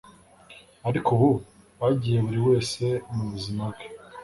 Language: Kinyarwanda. Ariko ubu bagiye buri wese mubuzima bwe